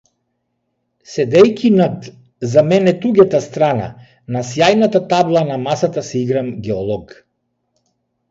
Седејќи над за мене туѓата страна на сјајната табла на масата си играм геолог.